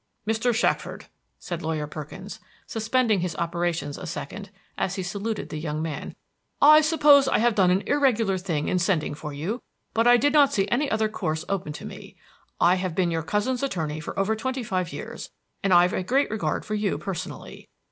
"Mr. Shackford," said Lawyer Perkins, suspending his operations a second, as he saluted the young man, "I suppose I have done an irregular thing in sending for you, but I did not see any other course open to me. I have been your cousin's attorney for over twenty five years, and I've a great regard for you personally.